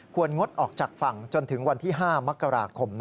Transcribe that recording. งดออกจากฝั่งจนถึงวันที่๕มกราคม